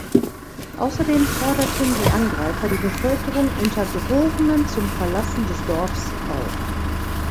Außerdem forderten die Angreifer die Bevölkerung unter Drohungen zum Verlassen des Dorfs auf.